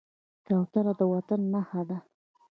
کوتره د وطن نښه ده.